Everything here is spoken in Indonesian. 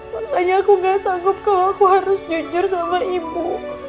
makanya aku gak sanggup kalau aku harus jujur sama ibu